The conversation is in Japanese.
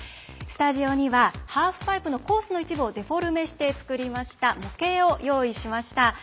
スタジオにはハーフパイプのコースの一部をデフォルメして作りました模型を用意しました。